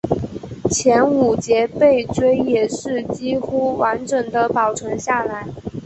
前五节背椎也是几乎完整地保存下来。